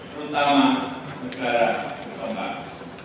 terutama negara berkembang